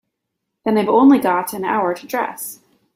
Then I've only got an hour to dress.